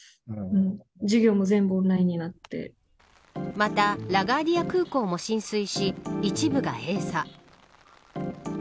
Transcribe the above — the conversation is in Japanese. またラガーディア空港も浸水し一部が閉鎖。